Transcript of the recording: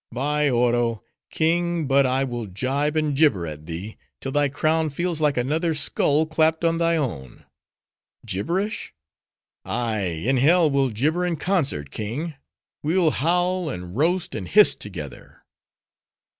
By Oro! King! but I will gibe and gibber at thee, till thy crown feels like another skull clapped on thy own. Gibberish? ay, in hell we'll gibber in concert, king! we'll howl, and roast, and hiss together!"